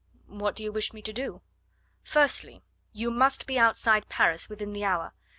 "What do you wish me to do?" "Firstly, you must be outside Paris within the hour.